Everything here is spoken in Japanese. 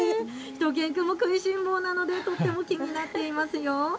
しゅと犬くんも食いしん坊なのでとっても気になっていますよ。